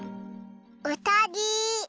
うさぎ。